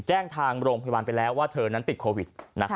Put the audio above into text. แจ้งทางโรงพยาบาลไปแล้วว่าเธอนั้นติดโควิด